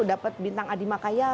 dapet bintang adi makayamu